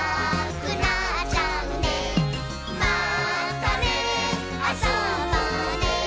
「またねあそぼうね